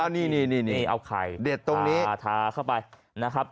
นี่เอาไข่เด็ดตรงนี้ทาเข้าไปนะครับ